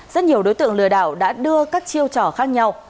rất nhiều đối tượng lừa đảo đã đưa các chiêu trò khác nhau